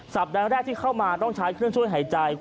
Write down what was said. ใดแรกที่เข้ามาต้องใช้เครื่องช่วยหายใจ